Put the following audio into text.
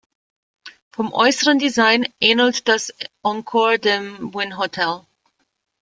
Vom äußeren Design ähnelt das Encore dem Wynn Hotel.